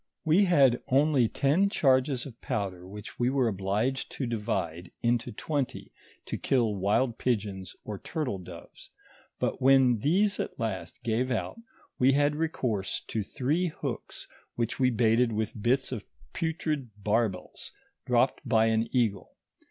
We had only ten charges of powder which we were obliged to divide into twenty to kill wild pigeons, or turtle doves ; but when these at last gave out we had recourse to three hooks, vhich we baited with bits of putrid barbels dropped by an eagle.